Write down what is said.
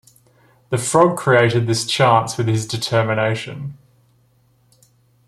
The frog created this chance with his determination.